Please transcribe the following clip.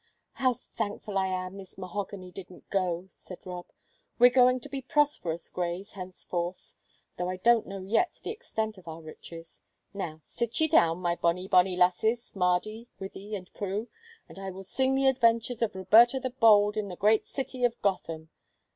"How thankful I am this mahogany didn't go!" sighed Rob. "We're going to be prosperous Greys henceforth, though I don't know yet the extent of our riches. Now, sit ye down, my bonny, bonny lassies, Mardy, Wythie, and Prue, and I will sing the adventures of Roberta the Bold in the Great City of Gotham.